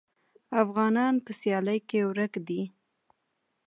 افغانان په سیالۍ کې ورک دي.